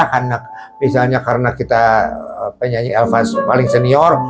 anak misalnya karena kita penyanyi elvan paling senior